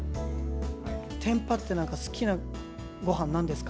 テンパって、好きなごはんなんですか？